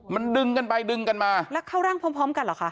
มันดึงกันไปดึงกันมาแล้วเข้าร่างพร้อมกันเหรอคะ